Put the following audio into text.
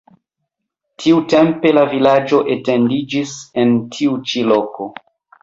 Tiutempe la vilaĝo etendiĝis en tiu ĉi loko.